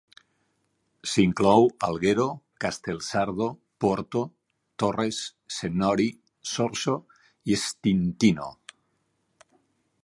S"inclou Alghero, Castelsardo, Porto Torres, Sennori, Sorso i Stintino.